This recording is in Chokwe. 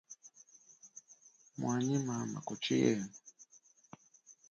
Mwanyi mama kuchi yenwe?